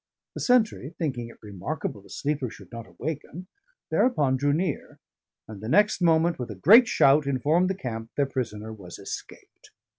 The sentry thinking it remarkable the sleeper should not awaken, thereupon drew near; and the next moment, with a great shout, informed the camp their prisoner was escaped.